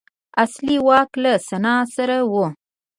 اصلي واک له سنا سره و.